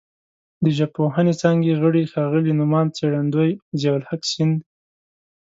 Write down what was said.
د ژبپوهنې څانګې غړي ښاغلي نوماند څېړندوی ضیاءالحق سیند